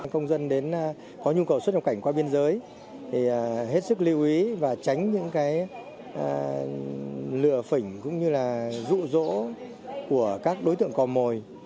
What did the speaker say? công dân có nhu cầu xuất nhập cảnh qua biên giới thì hết sức lưu ý và tránh những lừa phỉnh cũng như là rụ rỗ của các đối tượng cò mồi